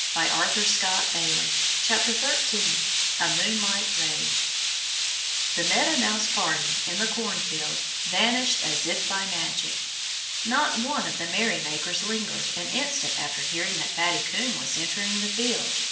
13 A Moonlight Raid THE Meadow Mouse party, in the cornfield, vanished as if by magic. Not one of the merrymakers lingered an instant after hearing that Fatty Coon was entering the field.